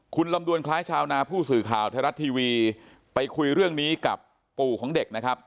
คุณลำดวนคล้ายชาวนาผู้สื่อข่าวไทยรัฐทีวีไปคุยเรื่องนี้กับปู่ของเด็กนะครับ